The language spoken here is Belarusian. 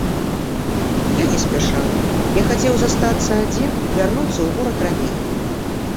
Я не спяшаў, я хацеў застацца адзін, вярнуцца ў горад раней.